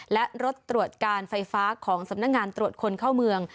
และรถตรวจการไฟฟ้าของสำนักงานตรวจคนเข้าเมือง